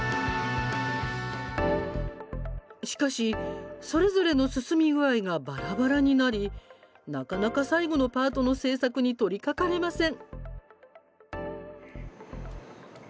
しかし、それぞれの進み具合がばらばらになりなかなか最後のパートの制作に取りかかれません。